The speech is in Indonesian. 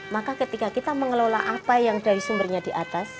maka ketika kita mengelola apa yang dari sumbernya di atas